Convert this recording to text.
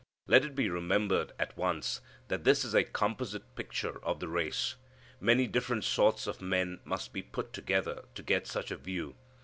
Let it be remembered at once that this is a composite picture of the race. Many different sorts of men must be put together to get such a view.